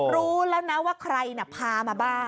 รู้แล้วนะว่าใครพามาบ้าง